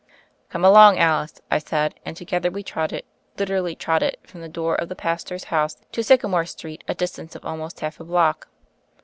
"Come along, quick, Alice," I said, and to gether we trotted — literally trotted — from the door of the pastor's house to Sycamore Street, a distance of almost half a block.